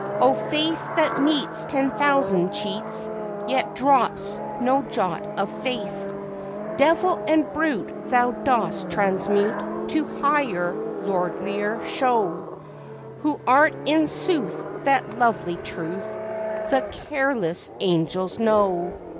Oh Faith, that meets ten thousand cheats Yet drops no jot of faith! Devil and brute Thou dost transmute To higher, lordlier show, Who art in sooth that lovely Truth The careless angels know!